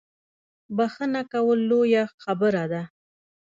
بخښنه کول لویه خبره ده